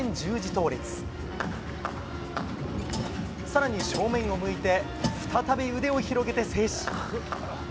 さらに正面を向いて、再び腕を広げて静止。